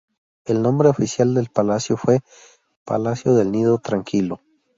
El nombre oficial del palacio fue "Palacio del nido tranquilo".